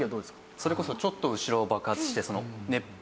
それこそちょっと後ろを爆発してその熱風。